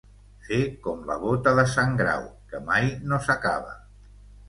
Fer com la bota de sant Grau, que mai no s'acaba.